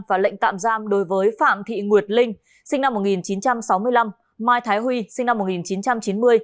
và lệnh tạm giam đối với phạm thị nguyệt linh sinh năm một nghìn chín trăm sáu mươi năm mai thái huy sinh năm một nghìn chín trăm chín mươi